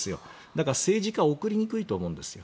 だから政治家は送りにくいと思うんですよ。